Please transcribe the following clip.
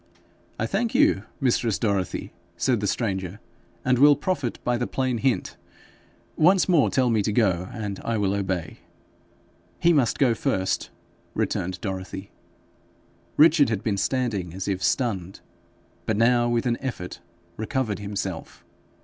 'I thank you, mistress Dorothy,' said the stranger, 'and will profit by the plain hint. Once more tell me to go, and I will obey.' 'He must go first,' returned Dorothy. Richard had been standing as if stunned, but now with an effort recovered himself.